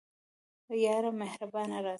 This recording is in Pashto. یاره مهربانه راسه